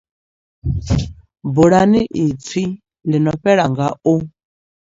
Bulani ipfi ḽi no fhela nga o.